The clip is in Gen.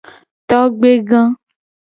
Togbega.